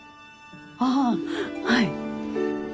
ああはい。